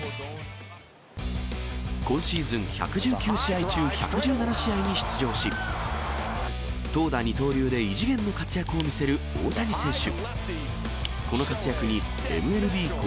今シーズン１１９試合中、１１７試合に出場し、投打二刀流で異次元の活躍を見せる大谷選手。